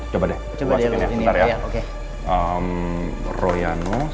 coba deh gue kasih gini ya